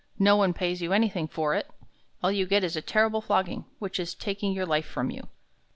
No one pays you anything for it. All you get is a terrible flogging, which is taking your life from you."